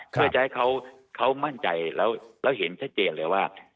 เพื่อจะให้เขามั่นใจแล้วเห็นชัดเจนเลยว่า